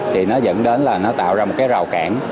thì nó dẫn đến là nó tạo ra một cái rào cản